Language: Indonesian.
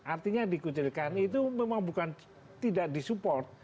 artinya dikucilkan itu memang bukan tidak disupport